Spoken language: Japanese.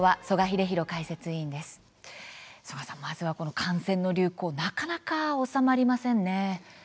曽我さん、感染の流行がなかなか収まりませんね。